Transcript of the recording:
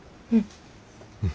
うん。